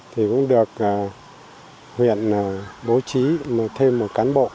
thì cũng được huyện bố trí thêm một cán bộ